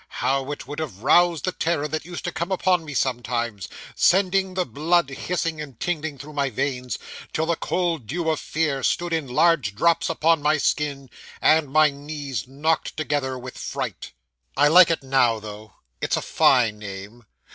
How it would have roused the terror that used to come upon me sometimes, sending the blood hissing and tingling through my veins, till the cold dew of fear stood in large drops upon my skin, and my knees knocked together with fright! I like it now though. It's a fine name.